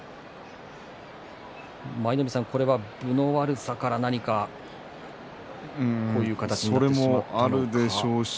舞の海さんこれは分の悪さから何か、こういう形になってしまったんでしょうか。